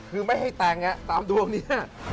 คือไม่ให้แต่งตามดวงนี้